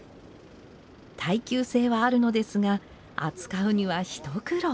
耐久性はあるのですが扱うには一苦労。